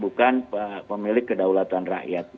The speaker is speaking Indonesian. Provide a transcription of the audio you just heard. bukan pemilik kedaulatan rakyat